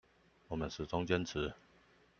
我們始終堅持